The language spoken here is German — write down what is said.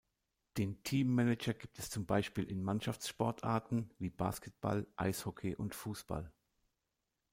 Den Teammanager gibt es zum Beispiel in Mannschaftssportarten wie Basketball, Eishockey und Fußball.